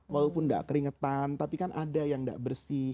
walaupun nggak keringetan tapi kan ada yang nggak bersih